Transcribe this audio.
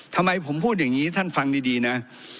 ทำไมผมพูดอย่างนี้ท่านฟังดีนะ